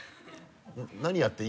何やってる？